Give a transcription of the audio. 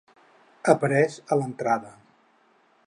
Apareix a l'entrada.